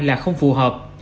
là không phù hợp